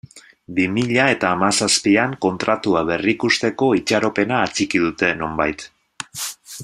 Bi mila eta hamazazpian Kontratua berrikusteko itxaropena atxiki dute, nonbait.